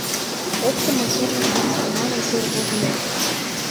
Оптымо кермыч-влак салма гай тӧр возыныт.